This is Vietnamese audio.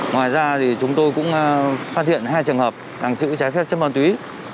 ngoài ra chúng tôi cũng phát hiện hai trường hợp tàng trữ trái phép chất bàn túy